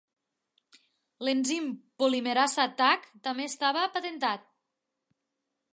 L'enzim polimerasa "Taq" també estava patentat.